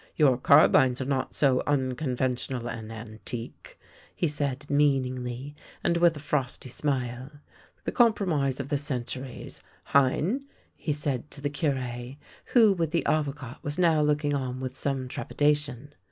" Your carbines are not so uncon ventional and antique," he said meaningly, and with a frosty smile. " The compromise of the centuries — JicinF" he added to the Cure, who, with the Avocat, was now looking on with some trepidation.